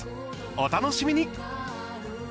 お楽しみに。